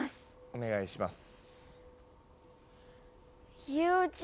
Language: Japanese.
お願いします。